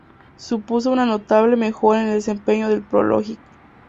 Supuso una notable mejora en el desempeño del Pro Logic.